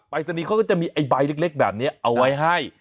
สนีเขาก็จะมีไอ้ใบเล็กแบบนี้เอาไว้ให้